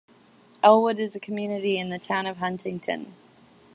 Elwood is a community in the Town of Huntington.